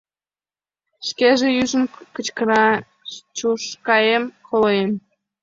Шкеже ӱжын кычкыра: — Чушкаэм, колоем.